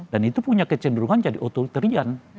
dan itu punya kecenderungan jadi otot terian